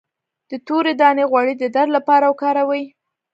د تورې دانې غوړي د درد لپاره وکاروئ